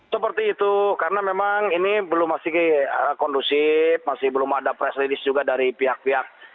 seperti itu karena memang ini belum masih kondusif masih belum ada press release juga dari pihak pihak